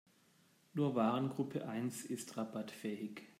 Nur Warengruppe eins ist rabattfähig.